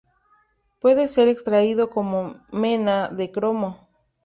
Puede ser extraído como mena de cromo.